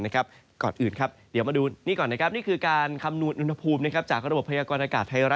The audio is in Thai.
ก่อนอื่นกดประหว่างทางยานปราน